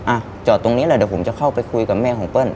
อ่ะจอดตรงนี้แหละเดี๋ยวผมจะเข้าไปคุยกับแม่ของเปิ้ล